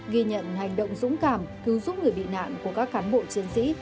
ghi nhận hành động dũng cảm cứu giúp người bị nạn của các cán bộ chiến sĩ